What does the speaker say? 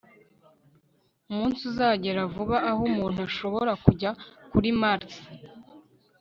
umunsi uzagera vuba aho umuntu ashobora kujya kuri mars